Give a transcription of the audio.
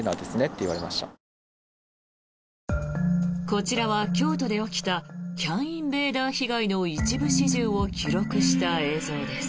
こちらは京都で起きたＣＡＮインベーダー被害の一部始終を記録した映像です。